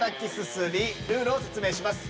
すすりルールを説明します。